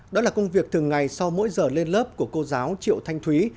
đó là công việc thường ngày sau mỗi giờ lên lớp của cô giáo triệu thanh thúy